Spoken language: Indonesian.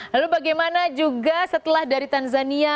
lalu bagaimana juga setelah dari tanzania